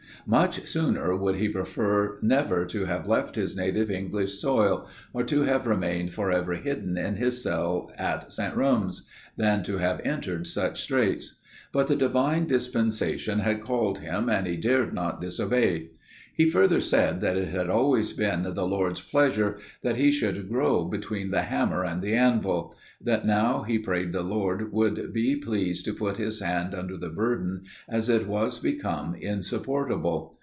Much sooner would he prefer never to have left his native English soil, or to have remained for ever hidden in his cell at St. Rums, than to have entered such straits; but the divine dispensation had called him, and he dared not disobey. He further said, that it had always been the Lord's pleasure, that he should grow between the hammer and the anvil; that now he prayed the Lord would be pleased to put his hand under the burden, as it was become insupportable.